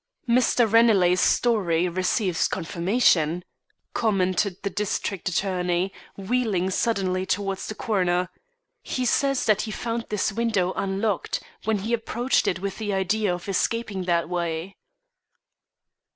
"Mr. Ranelagh's story receives confirmation," commented the district attorney, wheeling suddenly towards the coroner. "He says that he found this window unlocked, when he approached it with the idea of escaping that way."